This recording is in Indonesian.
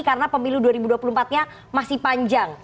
karena pemilu dua ribu dua puluh empat nya masih panjang